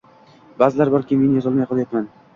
Ba’zilar borki, men yozolmay qolyapman